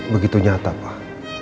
begitu nyata pak